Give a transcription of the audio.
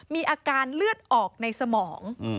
มีอาการเลือดออกในสมอง